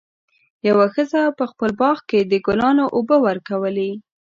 یوه ښځه په خپل باغ کې د ګلانو اوبه ورکولې.